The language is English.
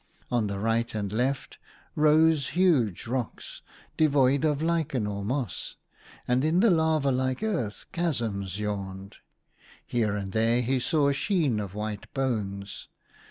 On the right and left rose huge rocks, devoid of lichen or moss, and in the lava like earth chasms yawned. Here and there he saw a sheen of white bones.